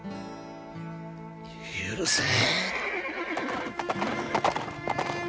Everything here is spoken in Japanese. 許せ！